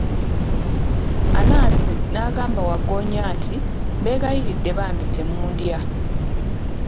Anansi n'agamba wagggoonya nti, mbegayiridde bambi temundya!